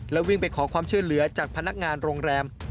วิ่งไปขอความช่วยเหลือจากพนักงานโรงแรม